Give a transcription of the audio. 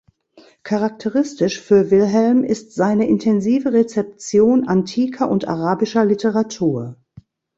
Charakteristisch für Wilhelm ist seine intensive Rezeption antiker und arabischer Literatur.